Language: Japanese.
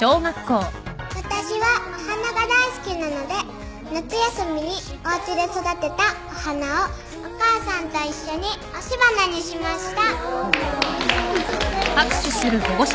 私はお花が大好きなので夏休みにおうちで育てたお花をお母さんと一緒に押し花にしました。